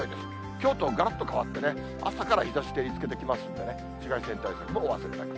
きょうとがらっと変わってね、朝から日ざし照りつけてきますんでね、紫外線対策もお忘れなく。